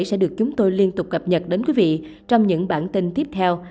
sẽ được chúng tôi liên tục cập nhật đến quý vị trong những bản tin tiếp theo